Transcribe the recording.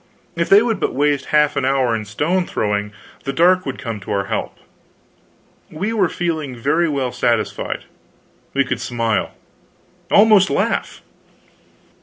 If they would but waste half an hour in stone throwing, the dark would come to our help. We were feeling very well satisfied. We could smile; almost laugh.